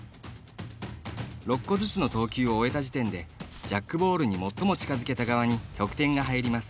６個ずつの投球を終えた時点でジャックボールに最も近づけた側に得点が入ります。